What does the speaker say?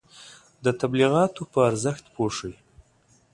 د تبلیغاتو په ارزښت پوه شئ.